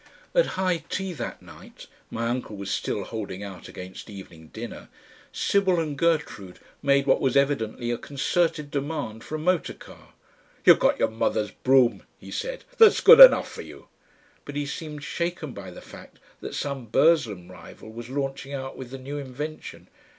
At high tea that night my uncle was still holding out against evening dinner Sibyl and Gertrude made what was evidently a concerted demand for a motor car. "You've got your mother's brougham," he said, "that's good enough for you." But he seemed shaken by the fact that some Burslem rival was launching out with the new invention.